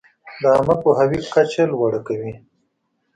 د عامه پوهاوي کچه لوړه کوي.